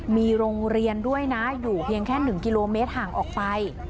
มีโรงเรียนด้วยนะอยู่เพียงแค่๑กิโลเมตรห่างออกไป